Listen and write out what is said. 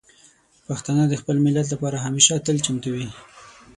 پښتانه د خپل ملت لپاره همیشه تل چمتو دي.